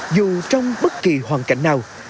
dù trong bất kỳ hoàn cảnh nào